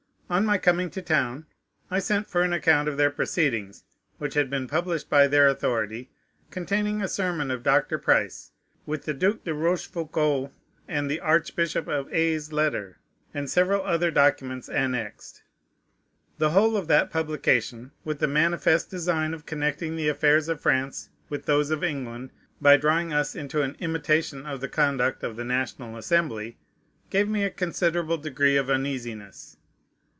On my coming to town, I sent for an account of their proceedings, which had been published by their authority, containing a sermon of Dr. Price, with the Duke de Rochefoucault's and the Archbishop of Aix's letter and several other documents annexed. The whole of that publication, with the manifest design of connecting the affairs of France with those of England, by drawing us into an imitation of the conduct of the National Assembly, gave me a considerable degree of uneasiness.